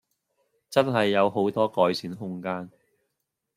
真係有好多改善空間